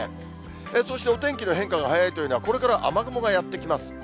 そしてお天気の変化が早いというのは、これから雨雲がやって来ます。